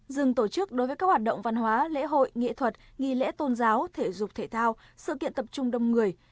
dừng tổ chức đối với các hoạt động văn hóa lễ hội nghệ thuật nghi lễ tôn giáo thể dục thể thao sự kiện tập trung đông người